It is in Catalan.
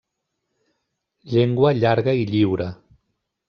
Llengua llarga i lliure.